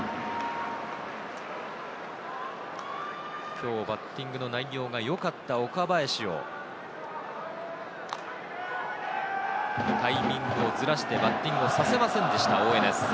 今日、バッティングの内容がよかった岡林をタイミングをずらしてバッティングをさせませんでした大江です。